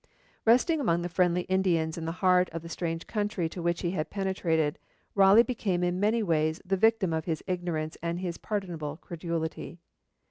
Resting among the friendly Indians in the heart of the strange country to which he had penetrated, Raleigh became in many ways the victim of his ignorance and his pardonable credulity.